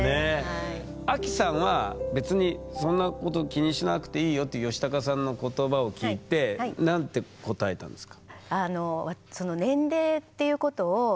アキさんは別にそんなこと気にしなくていいよっていうヨシタカさんの言葉を聞いて何て答えたんですか？